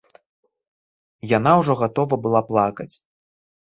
Яна ўжо гатова была плакаць.